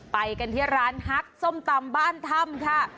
ไปกันที่ร้านฮักส้มตำบ้านถ้ำค่ะ